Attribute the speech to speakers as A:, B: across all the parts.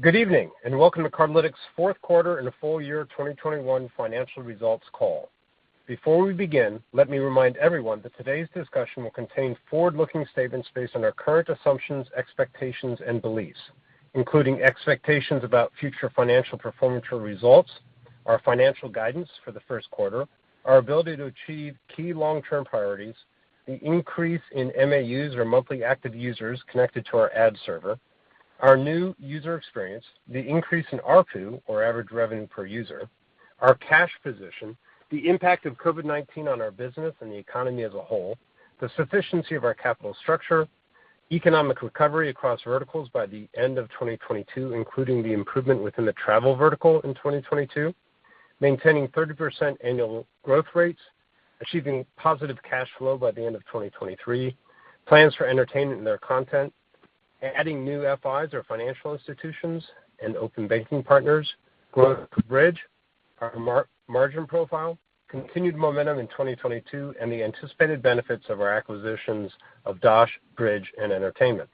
A: Good evening, and welcome to Cardlytics fourth quarter and full-year 2021 financial results call. Before we begin, let me remind everyone that today's discussion will contain forward-looking statements based on our current assumptions, expectations, and beliefs, including expectations about future financial performance or results, our financial guidance for the first quarter, our ability to achieve key long-term priorities, the increase in MAUs or monthly active users connected to our ad server, our new user experience, the increase in ARPU or average revenue per user, our cash position, the impact of COVID-19 on our business and the economy as a whole, the sufficiency of our capital structure, economic recovery across verticals by the end of 2022, including the improvement within the travel vertical in 2022, maintaining 30% annual growth rates, achieving positive cash flow by the end of 2023, plans for Entertainment and their content, adding new FIs or financial institutions and open banking partners, growth of Bridg, our margin profile, continued momentum in 2022, and the anticipated benefits of our acquisitions of Dosh, Bridg, and Entertainment.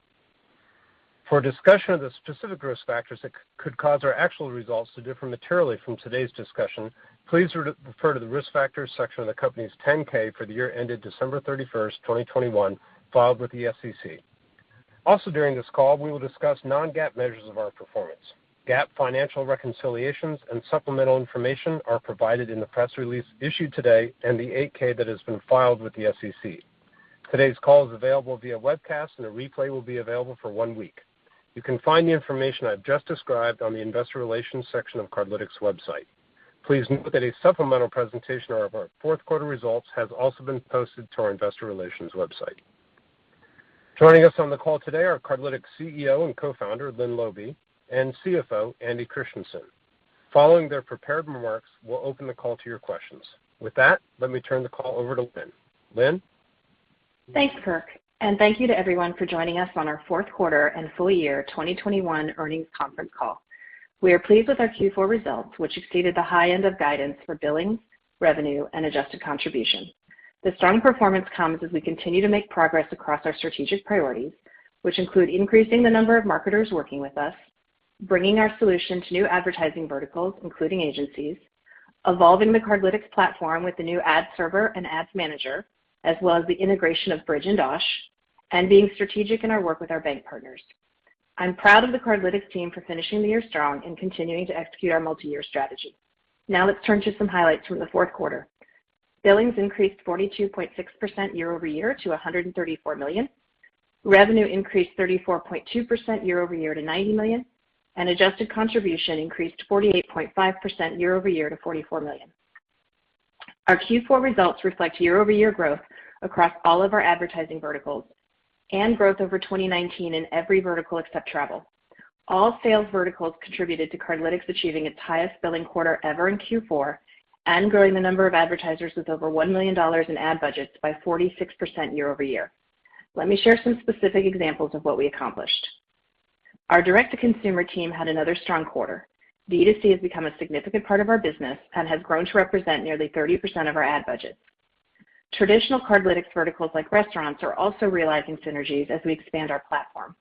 A: For a discussion of the specific risk factors that could cause our actual results to differ materially from today's discussion, please refer to the Risk Factors section of the company's 10-K for the year ended December 31, 2021, filed with the SEC. Also during this call, we will discuss non-GAAP measures of our performance. GAAP financial reconciliations and supplemental information are provided in the press release issued today and the 8-K that has been filed with the SEC. Today's call is available via webcast, and a replay will be available for one week. You can find the information I've just described on the Investor Relations section of Cardlytics' website. Please note that a supplemental presentation of our fourth quarter results has also been posted to our Investor Relations website. Joining us on the call today are Cardlytics CEO and co-founder, Lynne Laube, and CFO, Andy Christiansen. Following their prepared remarks, we'll open the call to your questions. With that, let me turn the call over to Lynne. Lynne?
B: Thanks, Kirk, and thank you to everyone for joining us on our fourth quarter and full-year 2021 earnings conference call. We are pleased with our Q4 results, which exceeded the high end of guidance for billings, revenue, and adjusted contribution. The strong performance comes as we continue to make progress across our strategic priorities, which include increasing the number of marketers working with us, bringing our solution to new advertising verticals, including agencies, evolving the Cardlytics platform with the new ad server and Ads Manager, as well as the integration of Bridg and Dosh, and being strategic in our work with our bank partners. I'm proud of the Cardlytics team for finishing the year strong and continuing to execute our multi-year strategy. Now let's turn to some highlights from the fourth quarter. Billings increased 42.6% year-over-year to $134 million. Revenue increased 34.2% year-over-year to $90 million. Adjusted contribution increased 48.5% year-over-year to $44 million. Our Q4 results reflect year-over-year growth across all of our advertising verticals and growth over 2019 in every vertical except travel. All sales verticals contributed to Cardlytics achieving its highest billing quarter ever in Q4 and growing the number of advertisers with over $1 million in ad budgets by 46% year-over-year. Let me share some specific examples of what we accomplished. Our direct-to-consumer team had another strong quarter. D2C has become a significant part of our business and has grown to represent nearly 30% of our ad budgets. Traditional Cardlytics verticals like restaurants are also realizing synergies as we expand our platform.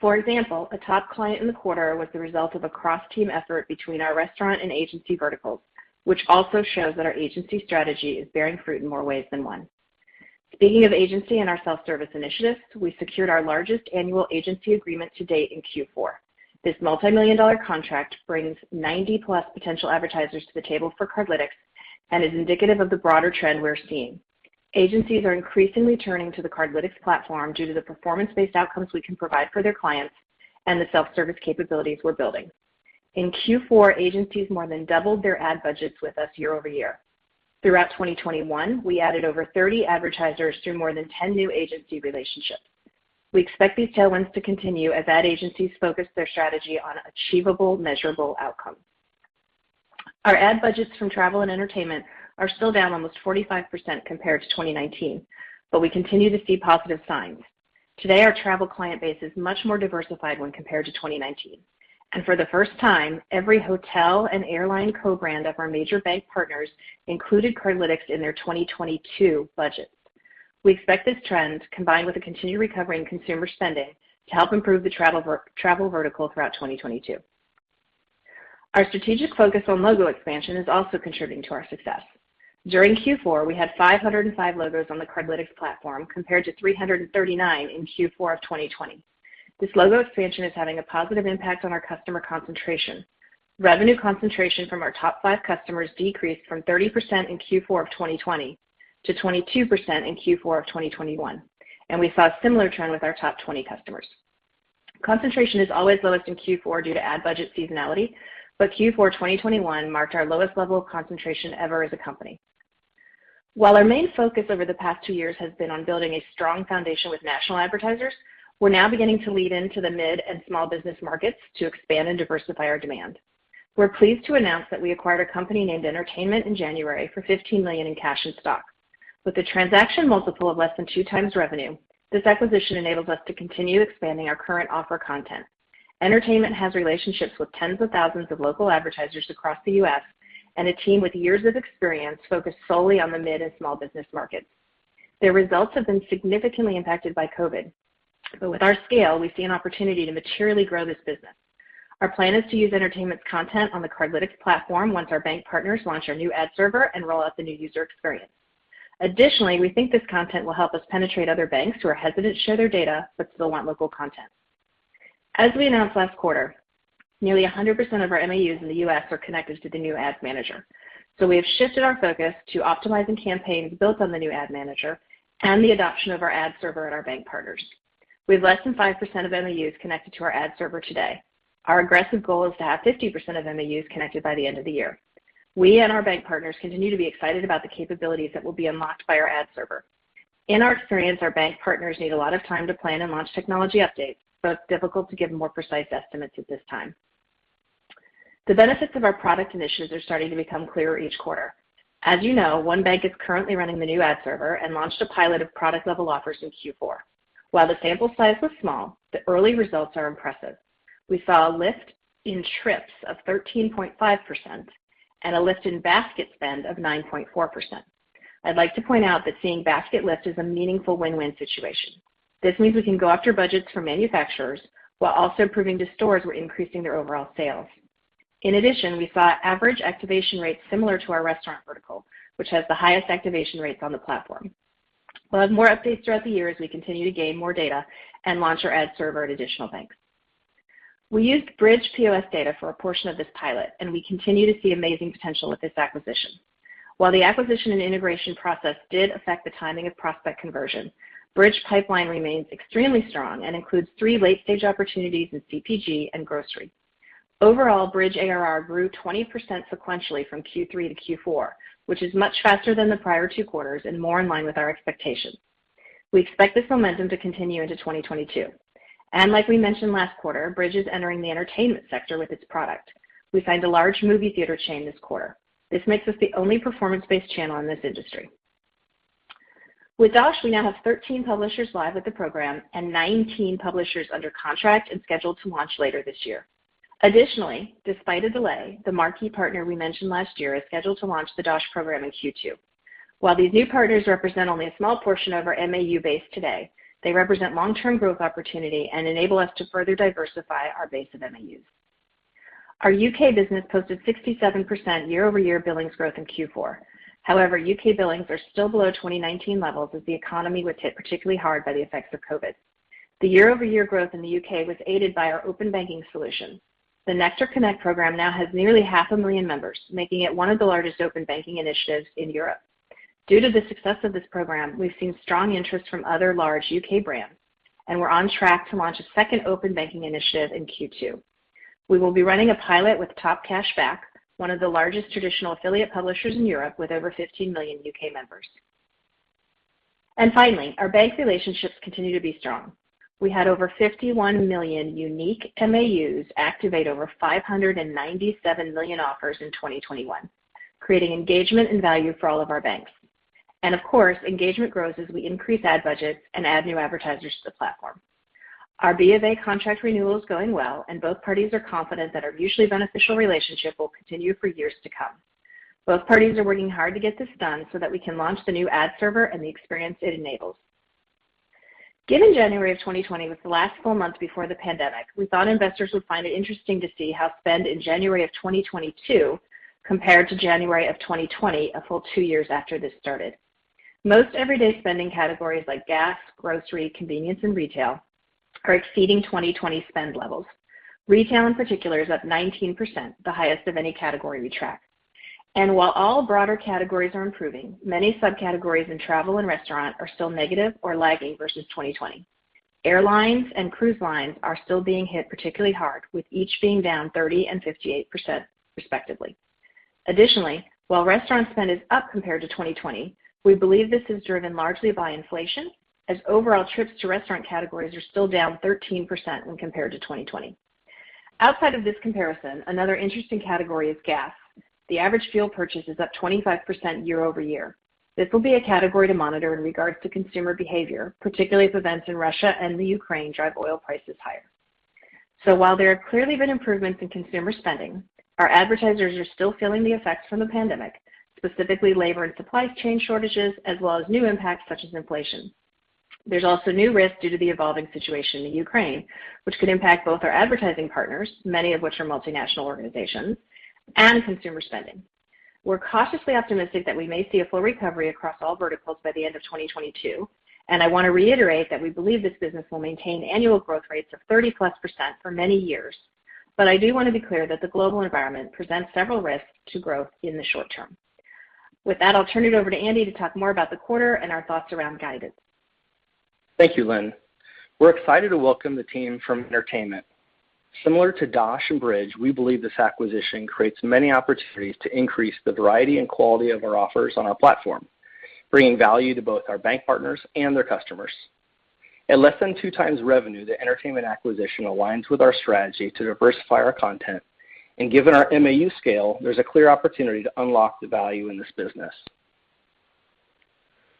B: For example, a top client in the quarter was the result of a cross-team effort between our restaurant and agency verticals, which also shows that our agency strategy is bearing fruit in more ways than one. Speaking of agency and our self-service initiatives, we secured our largest annual agency agreement to date in Q4. This $multi-million contract brings 90+ potential advertisers to the table for Cardlytics and is indicative of the broader trend we're seeing. Agencies are increasingly turning to the Cardlytics platform due to the performance-based outcomes we can provide for their clients and the self-service capabilities we're building. In Q4, agencies more than doubled their ad budgets with us year-over-year. Throughout 2021, we added over 30 advertisers through more than 10 new agency relationships. We expect these tailwinds to continue as ad agencies focus their strategy on achievable, measurable outcomes. Our ad budgets from travel and entertainment are still down almost 45% compared to 2019, but we continue to see positive signs. Today, our travel client base is much more diversified when compared to 2019, and for the first time, every hotel and airline co-brand of our major bank partners included Cardlytics in their 2022 budgets. We expect this trend, combined with a continued recovery in consumer spending, to help improve the travel vertical throughout 2022. Our strategic focus on logo expansion is also contributing to our success. During Q4, we had 505 logos on the Cardlytics platform, compared to 339 in Q4 of 2020. This logo expansion is having a positive impact on our customer concentration. Revenue concentration from our top five customers decreased from 30% in Q4 of 2020 to 22% in Q4 of 2021, and we saw a similar trend with our top 20 customers. Concentration is always lowest in Q4 due to ad budget seasonality, but Q4 2021 marked our lowest level of concentration ever as a company. While our main focus over the past two years has been on building a strong foundation with national advertisers, we're now beginning to lead into the mid and small business markets to expand and diversify our demand. We're pleased to announce that we acquired a company named Entertainment in January for $15 million in cash and stock. With a transaction multiple of less than 2x revenue, this acquisition enables us to continue expanding our current offer content. Entertainment has relationships with tens of thousands of local advertisers across the U.S. and a team with years of experience focused solely on the mid and small business markets. Their results have been significantly impacted by COVID-19. With our scale, we see an opportunity to materially grow this business. Our plan is to use Entertainment's content on the Cardlytics platform once our bank partners launch our new ad server and roll out the new user experience. Additionally, we think this content will help us penetrate other banks who are hesitant to share their data but still want local content. As we announced last quarter, nearly 100% of our MAUs in the U.S. are connected to the new Ads Manager. We have shifted our focus to optimizing campaigns built on the new Ads Manager and the adoption of our ad server at our bank partners. We have less than 5% of MAUs connected to our ad server today. Our aggressive goal is to have 50% of MAUs connected by the end of the year. We and our bank partners continue to be excited about the capabilities that will be unlocked by our ad server. In our experience, our bank partners need a lot of time to plan and launch technology updates, so it's difficult to give more precise estimates at this time. The benefits of our product initiatives are starting to become clearer each quarter. As you know, one bank is currently running the new ad server and launched a pilot of product-level offers in Q4. While the sample size was small, the early results are impressive. We saw a lift in trips of 13.5% and a lift in basket spend of 9.4%. I'd like to point out that seeing basket lift is a meaningful win-win situation. This means we can go after budgets for manufacturers while also proving to stores we're increasing their overall sales. In addition, we saw average activation rates similar to our restaurant vertical, which has the highest activation rates on the platform. We'll have more updates throughout the year as we continue to gain more data and launch our ad server at additional banks. We used Bridg POS data for a portion of this pilot, and we continue to see amazing potential with this acquisition. While the acquisition and integration process did affect the timing of prospect conversion, Bridg pipeline remains extremely strong and includes three late-stage opportunities in CPG and grocery. Overall, Bridg ARR grew 20% sequentially from Q3 to Q4, which is much faster than the prior two quarters and more in line with our expectations. We expect this momentum to continue into 2022. Like we mentioned last quarter, Bridg is entering the entertainment sector with its product. We signed a large movie theater chain this quarter. This makes us the only performance-based channel in this industry. With Dosh, we now have 13 publishers live with the program and 19 publishers under contract and scheduled to launch later this year. Additionally, despite a delay, the marquee partner we mentioned last year is scheduled to launch the Dosh program in Q2. While these new partners represent only a small portion of our MAU base today, they represent long-term growth opportunity and enable us to further diversify our base of MAUs. Our U.K. business posted 67% year-over-year billings growth in Q4. However, U.K. billings are still below 2019 levels as the economy was hit particularly hard by the effects of COVID-19. The year-over-year growth in the U.K. was aided by our open banking solution. The Nectar Connect program now has nearly 500,000 members, making it one of the largest open banking initiatives in Europe. Due to the success of this program, we've seen strong interest from other large U.K. brands, and we're on track to launch a second open banking initiative in Q2. We will be running a pilot with TopCashback, one of the largest traditional affiliate publishers in Europe with over 15 million U.K. members. Finally, our bank relationships continue to be strong. We had over 51 million unique MAUs activate over 597 million offers in 2021, creating engagement and value for all of our banks. Of course, engagement grows as we increase ad budgets and add new advertisers to the platform. Our B of A contract renewal is going well, and both parties are confident that our mutually beneficial relationship will continue for years to come. Both parties are working hard to get this done so that we can launch the new ad server and the experience it enables. Given January of 2020 was the last full month before the pandemic, we thought investors would find it interesting to see how spend in January of 2022 compared to January of 2020, a full two years after this started. Most everyday spending categories like gas, grocery, convenience, and retail are exceeding 2020 spend levels. Retail, in particular, is up 19%, the highest of any category we track. While all broader categories are improving, many subcategories in travel and restaurant are still negative or lagging versus 2020. Airlines and cruise lines are still being hit particularly hard, with each being down 30% and 58% respectively. Additionally, while restaurant spend is up compared to 2020, we believe this is driven largely by inflation as overall trips to restaurant categories are still down 13% when compared to 2020. Outside of this comparison, another interesting category is gas. The average fuel purchase is up 25% year-over-year. This will be a category to monitor in regards to consumer behavior, particularly if events in Russia and the Ukraine drive oil prices higher. While there have clearly been improvements in consumer spending, our advertisers are still feeling the effects from the pandemic, specifically labor and supply chain shortages, as well as new impacts such as inflation. There's also new risk due to the evolving situation in Ukraine, which could impact both our advertising partners, many of which are multinational organizations, and consumer spending. We're cautiously optimistic that we may see a full recovery across all verticals by the end of 2022, and I want to reiterate that we believe this business will maintain annual growth rates of 30%+ for many years. I do want to be clear that the global environment presents several risks to growth in the short term. With that, I'll turn it over to Andy to talk more about the quarter and our thoughts around guidance.
C: Thank you, Lynne. We're excited to welcome the team from Entertainment. Similar to Dosh and Bridg, we believe this acquisition creates many opportunities to increase the variety and quality of our offers on our platform, bringing value to both our bank partners and their customers. At less than 2x revenue, the Entertainment acquisition aligns with our strategy to diversify our content. Given our MAU scale, there's a clear opportunity to unlock the value in this business.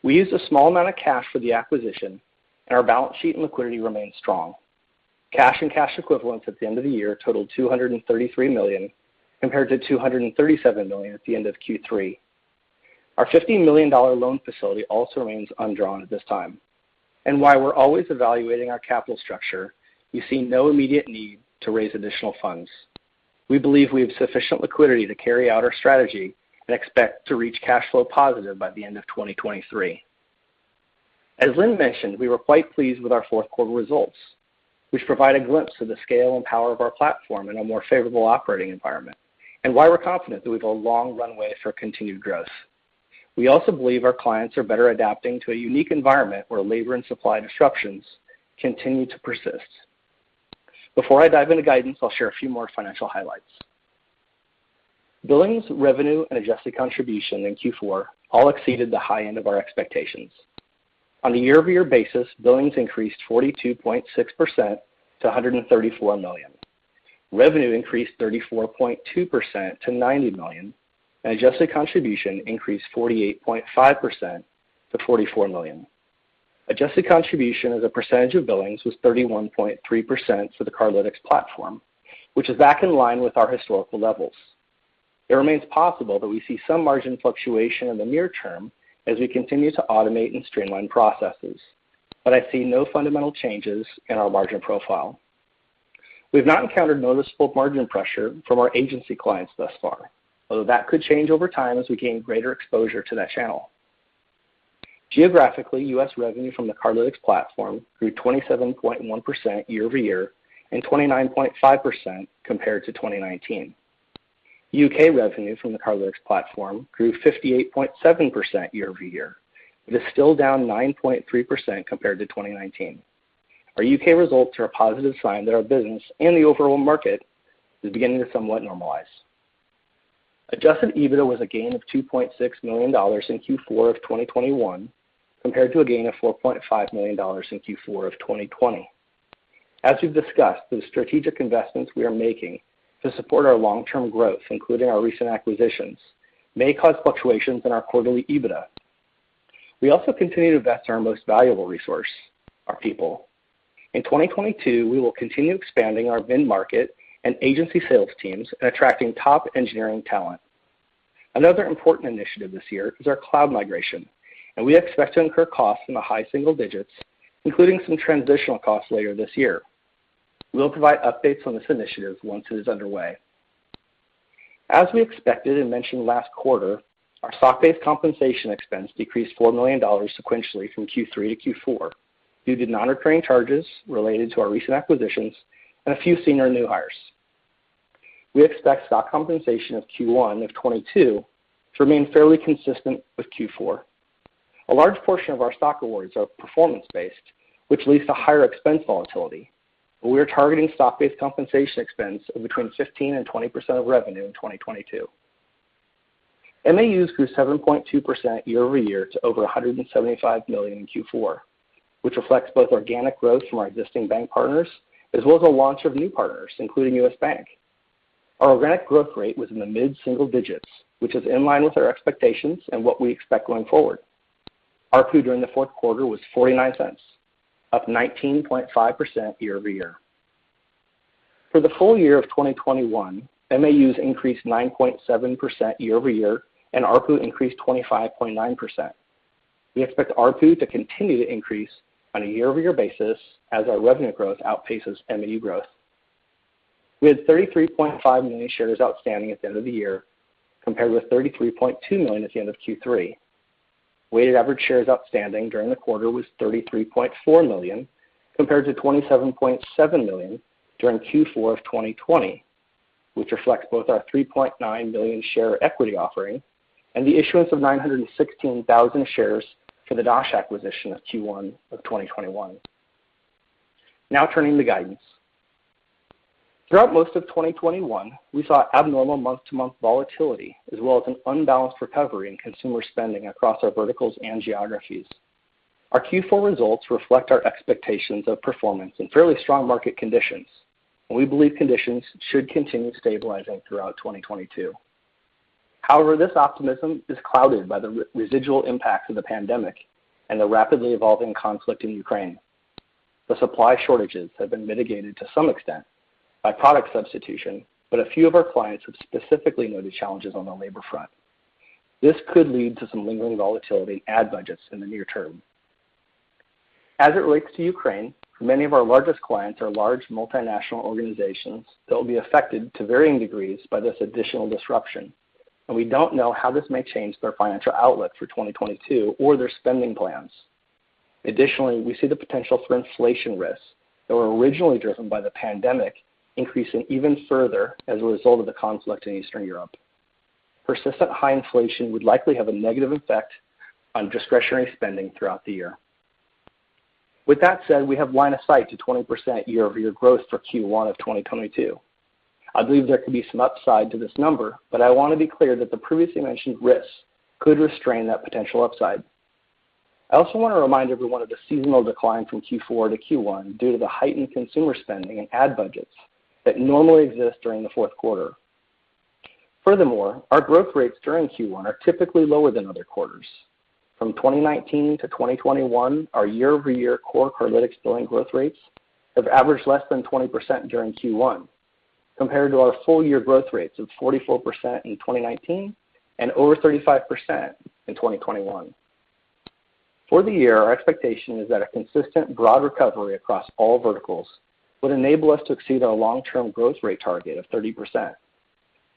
C: We used a small amount of cash for the acquisition and our balance sheet and liquidity remains strong. Cash and cash equivalents at the end of the year totaled $233 million, compared to $237 million at the end of Q3. Our $50 million loan facility also remains undrawn at this time. While we're always evaluating our capital structure, we see no immediate need to raise additional funds. We believe we have sufficient liquidity to carry out our strategy and expect to reach cash flow positive by the end of 2023. As Lynne mentioned, we were quite pleased with our fourth quarter results, which provide a glimpse of the scale and power of our platform in a more favorable operating environment, and why we're confident that we have a long runway for continued growth. We also believe our clients are better adapting to a unique environment where labor and supply disruptions continue to persist. Before I dive into guidance, I'll share a few more financial highlights. Billings, revenue, and Adjusted Contribution in Q4 all exceeded the high end of our expectations. On a year-over-year basis, billings increased 42.6% to $134 million. Revenue increased 34.2% to $90 million, and adjusted contribution increased 48.5% to $44 million. Adjusted contribution as a percentage of billings was 31.3% for the Cardlytics platform, which is back in line with our historical levels. It remains possible that we see some margin fluctuation in the near term as we continue to automate and streamline processes, but I see no fundamental changes in our margin profile. We've not encountered noticeable margin pressure from our agency clients thus far, although that could change over time as we gain greater exposure to that channel. Geographically, U.S. revenue from the Cardlytics platform grew 27.1% year-over-year and 29.5% compared to 2019. U.K. revenue from the Cardlytics platform grew 58.7% year-over-year, but is still down 9.3% compared to 2019. Our U.K. results are a positive sign that our business and the overall market is beginning to somewhat normalize. Adjusted EBITDA was a gain of $2.6 million in Q4 of 2021, compared to a gain of $4.5 million in Q4 of 2020. As we've discussed, the strategic investments we are making to support our long-term growth, including our recent acquisitions, may cause fluctuations in our quarterly EBITDA. We also continue to invest in our most valuable resource, our people. In 2022, we will continue expanding our mid-market and agency sales teams and attracting top engineering talent. Another important initiative this year is our cloud migration, and we expect to incur costs in the high single digits, including some transitional costs later this year. We'll provide updates on this initiative once it is underway. As we expected and mentioned last quarter, our stock-based compensation expense decreased $4 million sequentially from Q3 to Q4 due to non-recurring charges related to our recent acquisitions and a few senior new hires. We expect stock compensation of Q1 of 2022 to remain fairly consistent with Q4. A large portion of our stock awards are performance-based, which leads to higher expense volatility, but we are targeting stock-based compensation expense of between 15% and 20% of revenue in 2022. MAUs grew 7.2% year-over-year to over 175 million in Q4, which reflects both organic growth from our existing bank partners, as well as the launch of new partners, including U.S. Bank. Our organic growth rate was in the mid-single digits, which is in line with our expectations and what we expect going forward. ARPU during the fourth quarter was $0.49, up 19.5% year-over-year. For the full-year of 2021, MAUs increased 9.7% year-over-year, and ARPU increased 25.9%. We expect ARPU to continue to increase on a year-over-year basis as our revenue growth outpaces MAU growth. We had 33.5 million shares outstanding at the end of the year, compared with 33.2 million at the end of Q3. Weighted average shares outstanding during the quarter was 33.4 million, compared to 27.7 million during Q4 of 2020, which reflects both our 3.9 million share equity offering and the issuance of 916,000 shares for the Dosh acquisition of Q1 of 2021. Now turning to guidance. Throughout most of 2021, we saw abnormal month-to-month volatility as well as an unbalanced recovery in consumer spending across our verticals and geographies. Our Q4 results reflect our expectations of performance in fairly strong market conditions, and we believe conditions should continue stabilizing throughout 2022. However, this optimism is clouded by the residual impacts of the pandemic and the rapidly evolving conflict in Ukraine. The supply shortages have been mitigated to some extent by product substitution, but a few of our clients have specifically noted challenges on the labor front. This could lead to some lingering volatility in ad budgets in the near term. As it relates to Ukraine, many of our largest clients are large multinational organizations that will be affected to varying degrees by this additional disruption, and we don't know how this may change their financial outlook for 2022 or their spending plans. Additionally, we see the potential for inflation risks that were originally driven by the pandemic increasing even further as a result of the conflict in Eastern Europe. Persistent high inflation would likely have a negative effect on discretionary spending throughout the year. With that said, we have line of sight to 20% year-over-year growth for Q1 of 2022. I believe there could be some upside to this number, but I wanna be clear that the previously mentioned risks could restrain that potential upside. I also wanna remind everyone of the seasonal decline from Q4 to Q1 due to the heightened consumer spending and ad budgets that normally exist during the fourth quarter. Furthermore, our growth rates during Q1 are typically lower than other quarters. From 2019 to 2021, our year-over-year core Cardlytics billing growth rates have averaged less than 20% during Q1 compared to our full-year growth rates of 44% in 2019 and over 35% in 2021. For the year, our expectation is that a consistent broad recovery across all verticals would enable us to exceed our long-term growth rate target of 30%.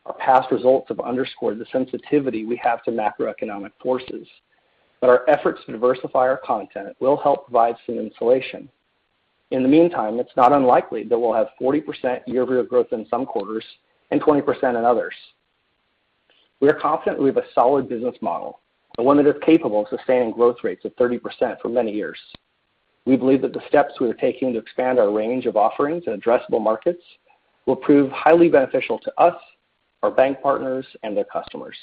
C: Our past results have underscored the sensitivity we have to macroeconomic forces, but our efforts to diversify our content will help provide some insulation. In the meantime, it's not unlikely that we'll have 40% year-over-year growth in some quarters and 20% in others. We are confident we have a solid business model and one that is capable of sustaining growth rates of 30% for many years. We believe that the steps we are taking to expand our range of offerings and addressable markets will prove highly beneficial to us, our bank partners, and their customers.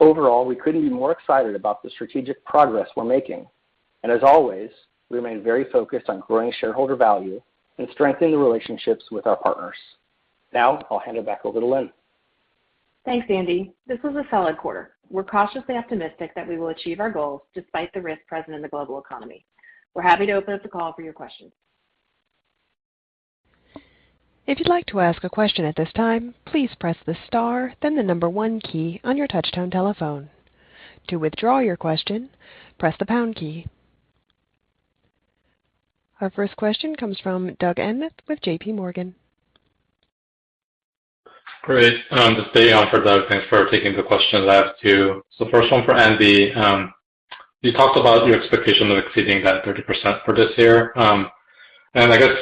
C: Overall, we couldn't be more excited about the strategic progress we're making, and as always, we remain very focused on growing shareholder value and strengthening the relationships with our partners. Now I'll hand it back over to Lynne.
B: Thanks, Andy. This was a solid quarter. We're cautiously optimistic that we will achieve our goals despite the risk present in the global economy. We're happy to open up the call for your questions.
D: If you would like to ask a question at this time please press the star then the number one key on your touch tone telephone. Our first question comes from Doug Anmuth with J.P. Morgan.
E: Great. Just to stay on for Doug, thanks for taking the questions last too. First one for Andy. You talked about your expectation of exceeding that 30% for this year. And I guess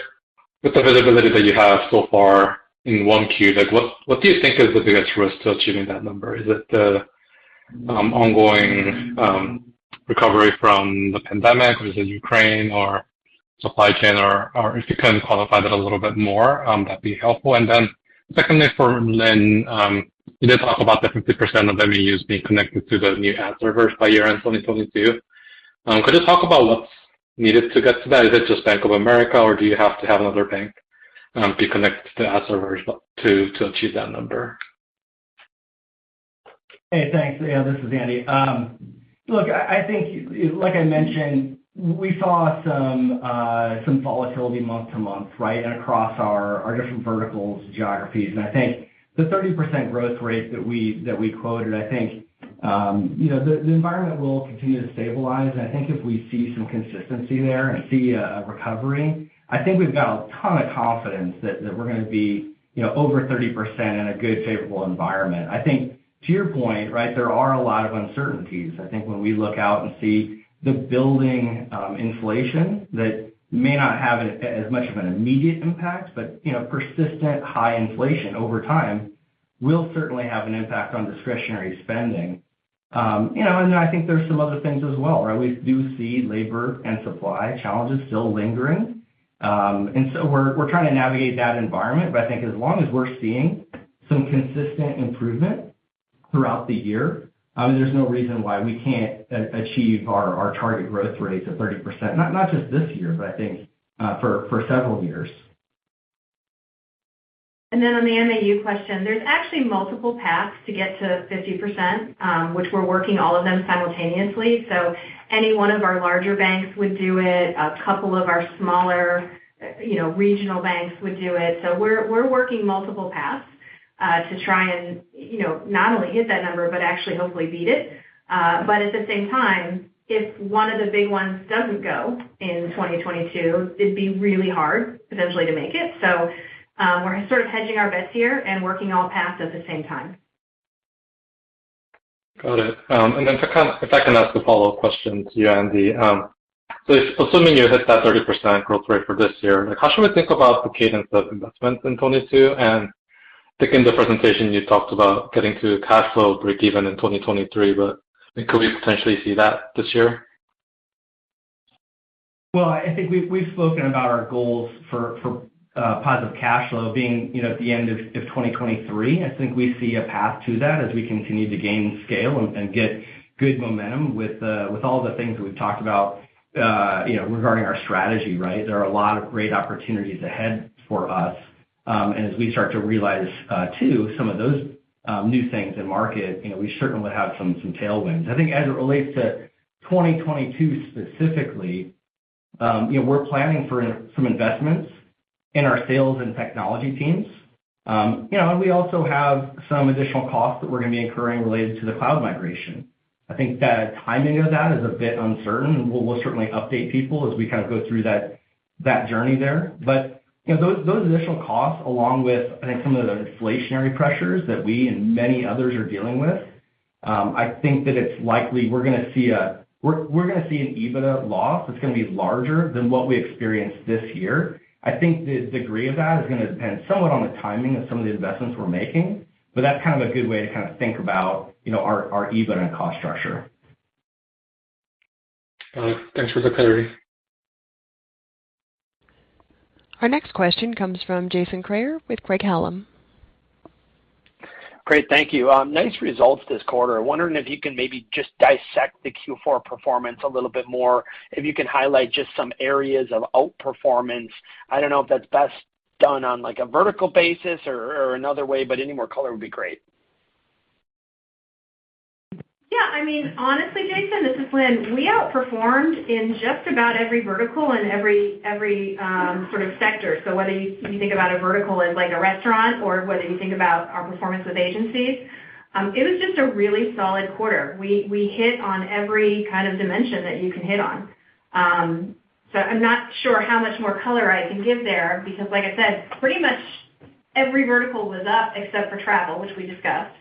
E: with the visibility that you have so far in 1Q, like what do you think is the biggest risk to achieving that number? Is it the ongoing recovery from the pandemic within Ukraine or supply chain or if you can qualify that a little bit more, that'd be helpful. And then secondly, for Lynne, you did talk about the 50% of MAUs being connected to the new ad servers by year-end 2022. Could you talk about what's needed to get to that? Is it just Bank of America, or do you have to have another bank be connected to the ad servers to achieve that number?
C: Hey, thanks. Yeah, this is Andy. Look, I think, like I mentioned, we saw some volatility month to month, right, across our different verticals, geographies. I think the 30% growth rate that we quoted, I think, you know, the environment will continue to stabilize. I think if we see some consistency there and see a recovery, I think we've got a ton of confidence that we're gonna be, you know, over 30% in a good favorable environment. I think to your point, right, there are a lot of uncertainties. I think when we look out and see the building inflation that may not have as much of an immediate impact, but, you know, persistent high inflation over time will certainly have an impact on discretionary spending. You know, I think there's some other things as well, right? We do see labor and supply challenges still lingering. We're trying to navigate that environment. I think as long as we're seeing some consistent improvement throughout the year, there's no reason why we can't achieve our target growth rates of 30%, not just this year, but I think for several years.
B: On the MAU question, there's actually multiple paths to get to 50%, which we're working all of them simultaneously. Any one of our larger banks would do it. A couple of our smaller, you know, regional banks would do it. We're working multiple paths to try and, you know, not only hit that number but actually hopefully beat it. But at the same time, if one of the big ones doesn't go in 2022, it'd be really hard potentially to make it. We're sort of hedging our bets here and working all paths at the same time.
E: Got it. If I can ask a follow-up question to you, Andy. Assuming you hit that 30% growth rate for this year, like how should we think about the cadence of investments in 2022? I think in the presentation you talked about getting to cash flow breakeven in 2023, but I mean, could we potentially see that this year?
C: Well, I think we've spoken about our goals for positive cash flow being, you know, at the end of 2023. I think we see a path to that as we continue to gain scale and get good momentum with all the things we've talked about, you know, regarding our strategy, right? There are a lot of great opportunities ahead for us. As we start to realize too some of those new things in market, you know, we certainly have some tailwinds. I think as it relates to 2022 specifically, you know, we're planning for some investments in our sales and technology teams. You know, we also have some additional costs that we're gonna be incurring related to the cloud migration. I think the timing of that is a bit uncertain. We'll certainly update people as we kind of go through that journey there. You know, those additional costs along with, I think, some of the inflationary pressures that we and many others are dealing with. I think that it's likely we're gonna see an EBITDA loss that's gonna be larger than what we experienced this year. I think the degree of that is gonna depend somewhat on the timing of some of the investments we're making, but that's kind of a good way to kind of think about, you know, our EBITDA cost structure.
E: Got it. Thanks for the clarity.
D: Our next question comes from Jason Kreyer with Craig-Hallum.
F: Great. Thank you. Nice results this quarter. I'm wondering if you can maybe just dissect the Q4 performance a little bit more, if you can highlight just some areas of outperformance. I don't know if that's best done on like a vertical basis or another way, but any more color would be great.
B: I mean, honestly, Jason, this is Lynne. We outperformed in just about every vertical and every sort of sector. Whether you think about a vertical as like a restaurant or whether you think about our performance with agencies, it was just a really solid quarter. We hit on every kind of dimension that you can hit on. I'm not sure how much more color I can give there because like I said, pretty much every vertical was up except for travel, which we discussed.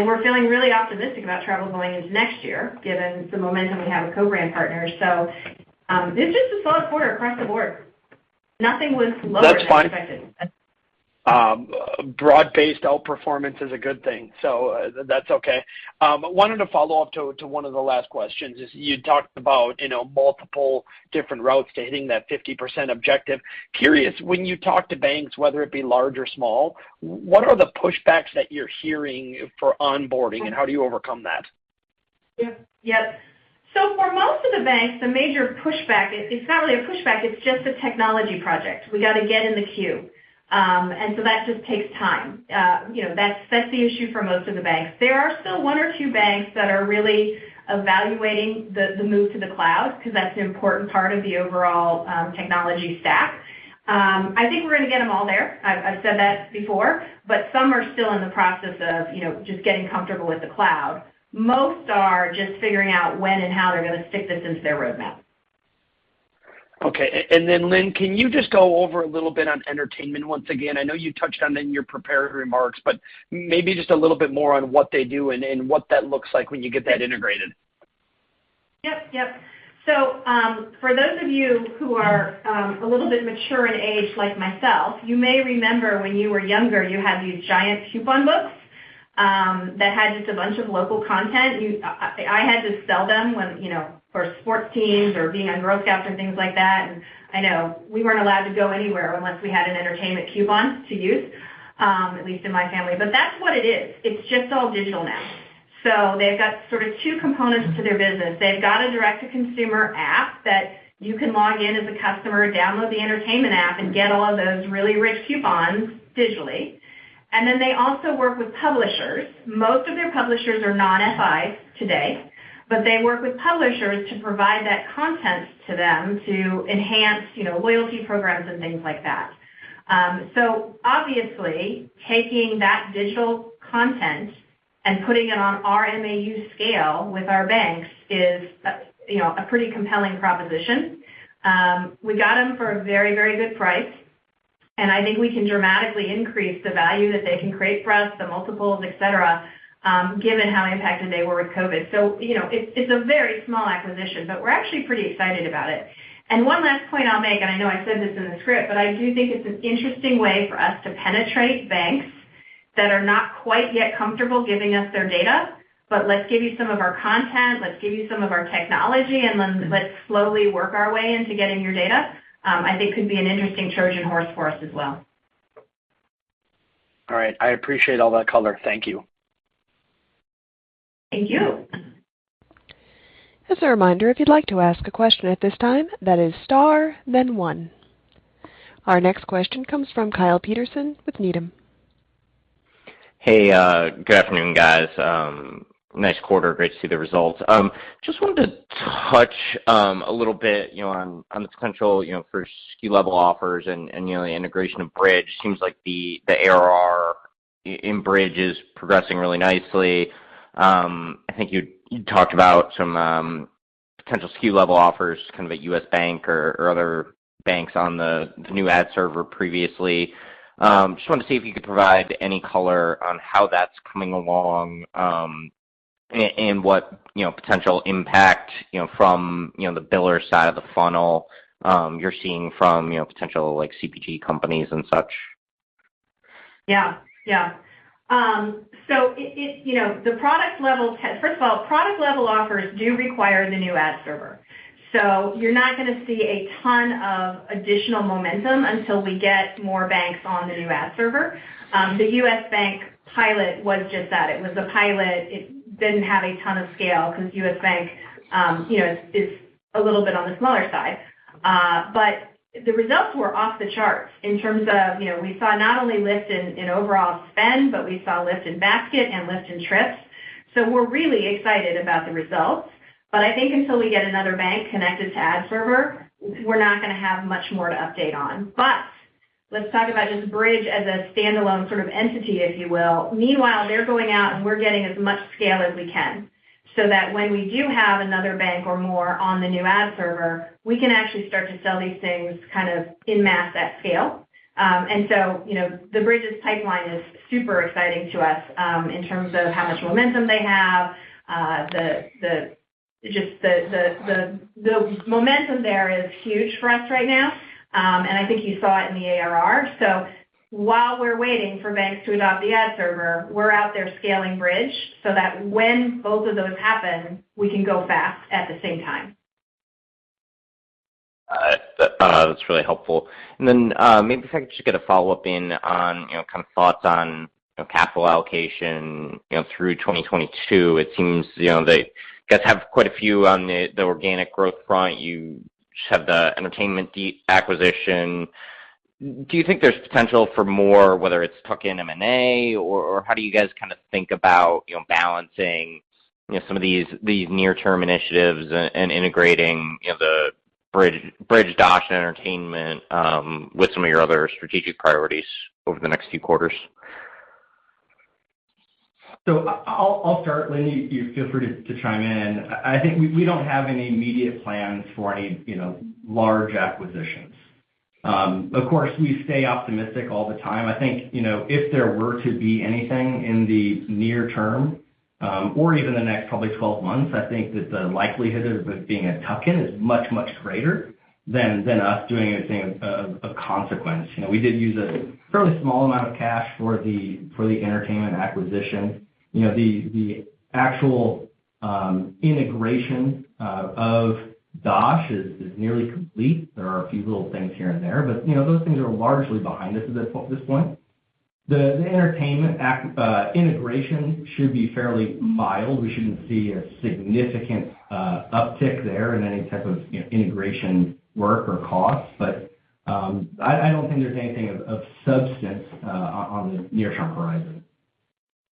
B: We're feeling really optimistic about travel going into next year given the momentum we have with co-brand partners. It's just a solid quarter across the board. Nothing was lower than expected.
F: That's fine. Broad-based outperformance is a good thing, so that's okay. Wanted to follow up to one of the last questions is you talked about, you know, multiple different routes to hitting that 50% objective. Curious, when you talk to banks, whether it be large or small, what are the pushbacks that you're hearing for onboarding, and how do you overcome that?
B: For most of the banks, the major pushback is it's not really a pushback, it's just a technology project. We gotta get in the queue. That just takes time. You know, that's the issue for most of the banks. There are still one or two banks that are really evaluating the move to the cloud because that's an important part of the overall technology stack. I think we're gonna get them all there. I've said that before, but some are still in the process of you know, just getting comfortable with the cloud. Most are just figuring out when and how they're gonna fit this into their roadmap.
F: Okay. Lynne, can you just go over a little bit on Entertainment once again? I know you touched on it in your prepared remarks, but maybe just a little bit more on what they do and what that looks like when you get that integrated.
B: Yep, yep. For those of you who are a little bit mature in age like myself, you may remember when you were younger, you had these giant coupon books that had just a bunch of local content. I had to sell them when you know for sports teams or being on Girl Scouts and things like that. I know we weren't allowed to go anywhere unless we had an Entertainment coupon to use at least in my family. That's what it is. It's just all digital now. They've got sort of two components to their business. They've got a direct-to-consumer app that you can log in as a customer, download the Entertainment app, and get all of those really rich coupons digitally. Then they also work with publishers. Most of their publishers are non-FIs today, but they work with publishers to provide that content to them to enhance, you know, loyalty programs and things like that. Obviously taking that digital content and putting it on our MAU scale with our banks is, you know, a pretty compelling proposition. We got them for a very, very good price, and I think we can dramatically increase the value that they can create for us, the multiples, et cetera, given how impacted they were with COVID. You know, it's a very small acquisition, but we're actually pretty excited about it. One last point I'll make, and I know I said this in the script, but I do think it's an interesting way for us to penetrate banks that are not quite yet comfortable giving us their data. Let's give you some of our content, let's give you some of our technology, and let's slowly work our way into getting your data. I think could be an interesting Trojan horse for us as well.
F: All right. I appreciate all that color. Thank you.
B: Thank you.
D: As a reminder, if you'd like to ask a question at this time, that is star then one. Our next question comes from Kyle Peterson with Needham.
G: Hey, good afternoon, guys. Nice quarter. Great to see the results. Just wanted to touch a little bit, you know, on the potential, you know, for SKU level offers and the integration of Bridg. Seems like the ARR in Bridg is progressing really nicely. I think you talked about some potential SKU level offers, kind of a U.S. Bank or other banks on the new ad server previously. Just wanted to see if you could provide any color on how that's coming along, and what potential impact, you know, from the buyer side of the funnel, you're seeing from potential like CPG companies and such.
B: Yeah. First of all, product level offers do require the new ad server. You're not gonna see a ton of additional momentum until we get more banks on the new ad server. The U.S. Bank pilot was just that. It was a pilot. It didn't have a ton of scale because U.S. Bank is a little bit on the smaller side. The results were off the charts in terms of, you know, we saw not only lift in overall spend, but we saw lift in basket and lift in trips. We're really excited about the results. I think until we get another bank connected to ad server, we're not gonna have much more to update on. Let's talk about just Bridg as a standalone sort of entity, if you will. Meanwhile, they're going out, and we're getting as much scale as we can so that when we do have another bank or more on the new ad server, we can actually start to sell these things kind of en masse at scale. You know, the Bridg's pipeline is super exciting to us, in terms of how much momentum they have. Just the momentum there is huge for us right now. I think you saw it in the ARR. While we're waiting for banks to adopt the ad server, we're out there scaling Bridg so that when both of those happen, we can go fast at the same time.
G: That's really helpful. Maybe if I could just get a follow-up in on, you know, kind of thoughts on, you know, capital allocation, you know, through 2022. It seems, you know, that you guys have quite a few on the organic growth front. You have the Entertainment acquisition. Do you think there's potential for more, whether it's tuck-in M&A or how do you guys kind of think about, you know, balancing, you know, some of these near term initiatives and integrating the Bridg, Dosh and Entertainment with some of your other strategic priorities over the next few quarters?
C: I'll start. Lynne, you feel free to chime in. I think we don't have any immediate plans for any, you know, large acquisitions. Of course, we stay optimistic all the time. I think, you know, if there were to be anything in the near term, or even the next probably 12 months, I think that the likelihood of it being a tuck-in is much greater than us doing anything of consequence. You know, we did use a fairly small amount of cash for the Entertainment acquisition. You know, the actual integration of Dosh is nearly complete. There are a few little things here and there, but, you know, those things are largely behind us at this point. The Entertainment integration should be fairly mild. We shouldn't see a significant uptick there in any type of, you know, integration work or cost. I don't think there's anything of substance on the near term horizon.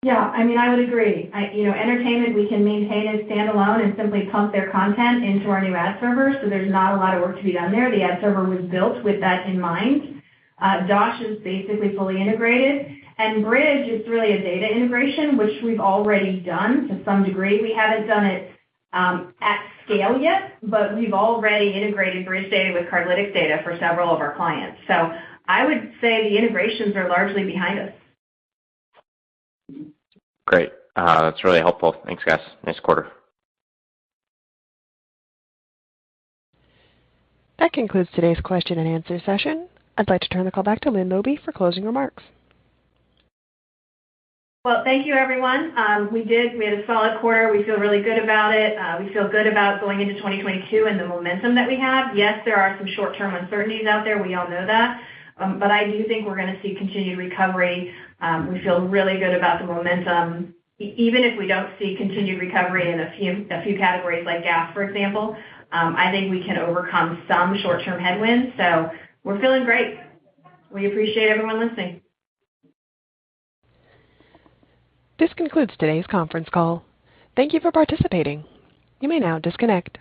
B: Yeah, I mean, I would agree. You know, Entertainment, we can maintain as standalone and simply pump their content into our new ad server. There's not a lot of work to be done there. The ad server was built with that in mind. Dosh is basically fully integrated, and Bridg is really a data integration, which we've already done to some degree. We haven't done it at scale yet, but we've already integrated Bridg data with Cardlytics data for several of our clients. I would say the integrations are largely behind us.
G: Great. That's really helpful. Thanks, guys. Nice quarter.
D: That concludes today's question-and-answer session. I'd like to turn the call back to Lynne Laube for closing remarks.
B: Well, thank you, everyone. We had a solid quarter. We feel really good about it. We feel good about going into 2022 and the momentum that we have. Yes, there are some short-term uncertainties out there. We all know that. But I do think we're gonna see continued recovery. We feel really good about the momentum. Even if we don't see continued recovery in a few categories like gas, for example, I think we can overcome some short-term headwinds. We're feeling great. We appreciate everyone listening.
D: This concludes today's conference call. Thank you for participating. You may now disconnect.